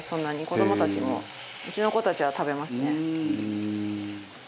子どもたちもうちの子たちは食べますね。